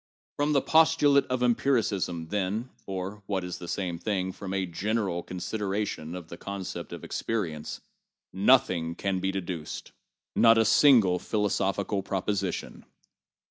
From the postulate of empiricism, then (or, what is the same thing, from a general consideration of the concept of experience), nothing can be deduced, not a single philosophical proposition.